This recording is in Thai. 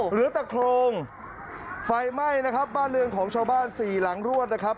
เหลือแต่โครงไฟไหม้นะครับบ้านเรือนของชาวบ้านสี่หลังรวดนะครับ